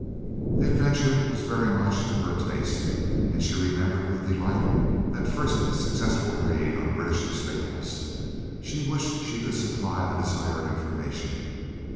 The adventure was very much to her taste, and she remembered with delight that first successful raid on British stables. She wished she could supply the desired information.